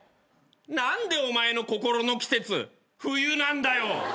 何でお前の心の季節冬なんだよ！